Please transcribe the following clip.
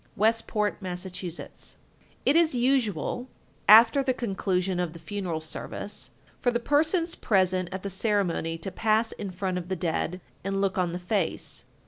Westport, Mass. 1248. It is usual, after the conclusion of the funeral service, for the persons present at the ceremony to pass in front of the dead, and look on the face.